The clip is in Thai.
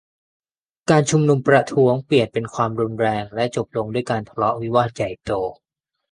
การชุมนุมประท้วงเปลี่ยนเป็นความรุนแรง และจบลงด้วยการทะเลาะวิวาทใหญ่โต